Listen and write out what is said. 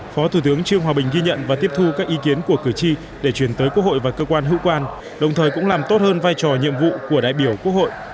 phó thủ tướng trương hòa bình ghi nhận và tiếp thu các ý kiến của cử tri để chuyển tới quốc hội và cơ quan hữu quan đồng thời cũng làm tốt hơn vai trò nhiệm vụ của đại biểu quốc hội